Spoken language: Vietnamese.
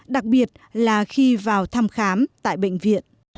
đặc biệt là khi vào thăm khám tại bệnh viện